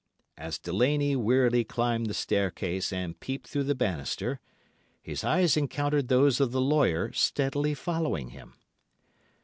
"As Delaney wearily climbed the staircase and peeped through the bannister, his eyes encountered those of the lawyer steadily following him.